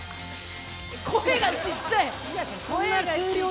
声がちっちゃい。